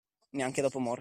Neanche dopo morto.